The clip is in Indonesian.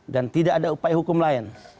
tidak ada upaya hukum lain